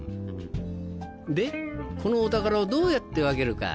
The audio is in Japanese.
でこのお宝をどうやって分けるか？